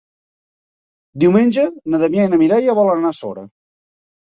Diumenge na Damià i na Mireia volen anar a Sora.